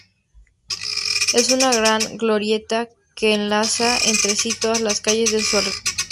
Es una gran glorieta que enlaza entre sí todas las calles de su alrededor.